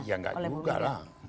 ya nggak juga lah